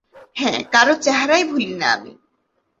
হ্যাঁ, কারো চেহারাই ভুলি না আমি।